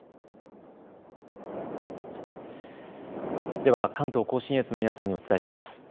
では関東甲信越の皆さんにお伝えします。